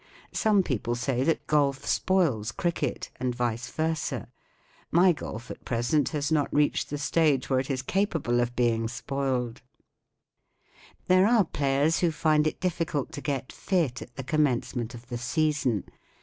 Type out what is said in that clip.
Some people say that golf spoils cricket, and vice versa. My golf, at present, has not reached the stage where it is capable of being spoiled, There are players who find it difficult to get fit at the commencement of the season.